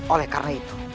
oleh karena itu